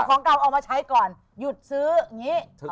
ของเก่าเอามาใช้ก่อนหยุดซื้ออย่างนี้